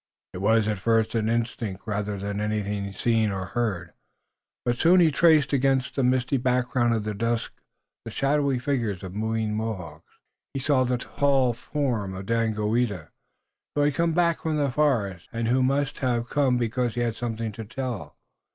It was at first an instinct rather than anything seen or heard, but soon he traced against the misty background of the dusk the shadowy figures of moving Mohawks. He saw the tall form of Daganoweda, who had come back from the forest, and who must have come because he had something to tell.